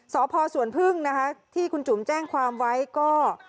สพสวนพึ่งนะคะที่คุณจุ๋มแจ้งความไว้ก็